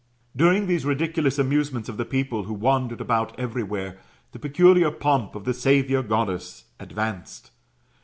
During these ridiculous amusements of the people, who wandered about everywhere, the pecuhar pomp of the saviour Goddess advanced.